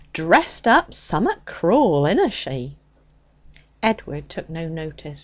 Dressed up summat cruel inna she?' Edward took no notice.